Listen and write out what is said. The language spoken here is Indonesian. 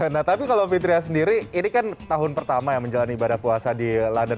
nah tapi kalau fitriah sendiri ini kan tahun pertama yang menjalani ibadah puasa di london